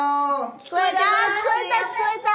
聞こえた聞こえた！